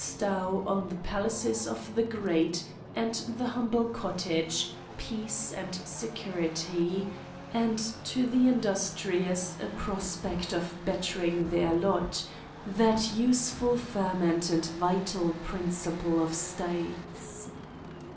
stow on the palaces of the great and the humble cottage peace and security, and to the industrious a prospect of bettering their lot that useful fer ment ^iid vital principle of states?